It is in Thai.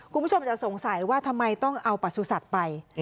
คุณผู้ชมจะสงสัยว่าทำไมต้องเอาประสุทธิ์ไป